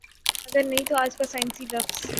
اگر نہیں تو آج کا سائنسی لفظ